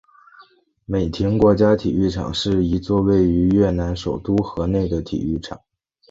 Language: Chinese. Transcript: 美亭国家体育场是一座位于越南首都河内的体育场。